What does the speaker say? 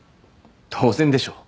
当然でしょう？